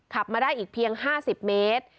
ขับมาได้อีกเพียง๕๐เมตร